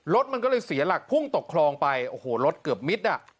รถมันก็เลยเสียหลักพุ่งตกคลองไปโอ้โหรถเกือบมิดอ่ะ